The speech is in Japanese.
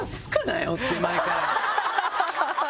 ハハハハ！